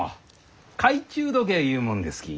懐中時計ゆうもんですき。